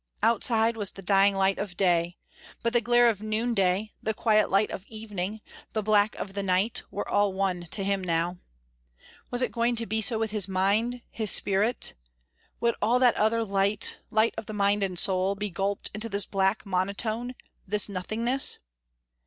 Outside was the dying light of day, but the glare of noonday, the quiet light of evening, the black of the night, were all one to him now. Was it going to be so with his mind, his spirit? Would all that other light, light of the mind and soul, be gulped into this black monotone, this nothingness?